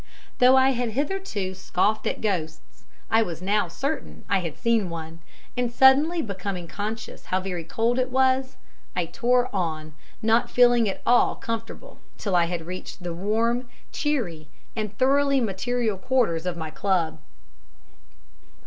Though I had hitherto scoffed at ghosts, I was now certain I had seen one, and suddenly becoming conscious how very cold it was, I tore on, not feeling at all comfortable till I had reached the warm, cheery, and thoroughly material quarters of my Club."